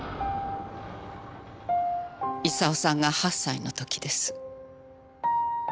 功さんが８歳の時です。